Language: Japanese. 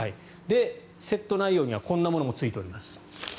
セット内容にはこんなものもついております。